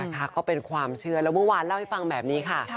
ก็เป็นความเชื่อแล้วเมื่อวานเล่าให้ฟังแบบนี้ค่ะ